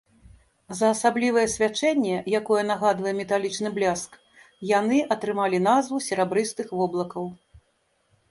За асаблівае свячэнне, якое нагадвае металічны бляск, яны атрымалі назву серабрыстых воблакаў.